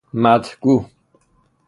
مدح گو